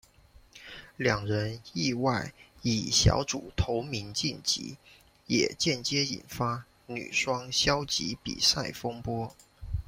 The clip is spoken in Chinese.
两人意外以小组头名晋级也间接引发女双消极比赛风波。